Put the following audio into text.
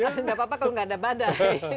gak apa apa kalau gak ada badai